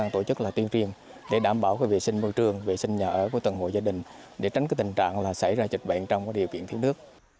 tổ chức tuyên truyền để đảm bảo vệ sinh môi trường vệ sinh nhà ở của từng hội gia đình để tránh tình trạng xảy ra dịch bệnh trong điều kiện thiếu nước